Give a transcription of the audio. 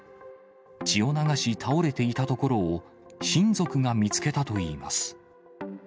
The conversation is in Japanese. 血を流し、倒れていたところを親族が見つけたといいます。